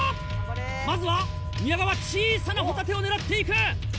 まずは宮川小さなホタテを狙っていく！